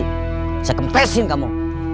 bisa kempesin kamu